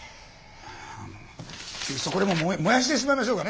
いっそこれもう燃やしてしまいましょうかね。